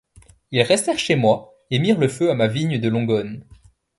Ils restèrent chez moi, et mirent le feu à ma vigne de Longone.